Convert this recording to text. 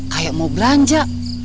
kayak mau belanja